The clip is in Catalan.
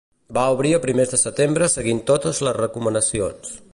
Va obrir a primers de setembre seguint totes les recomanacions.